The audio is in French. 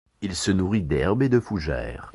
Il se nourrit d'herbes et de fougères.